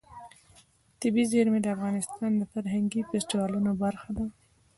طبیعي زیرمې د افغانستان د فرهنګي فستیوالونو برخه ده.